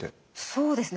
そうですね